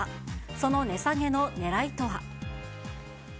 その値下げのねらいとは。